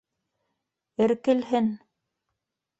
Эркелһен.